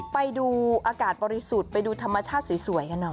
ไปดูอากาศบริสุทธิ์ไปดูธรรมชาติสวยกันหน่อย